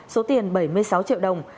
số tiền bảy mươi sáu triệu đồng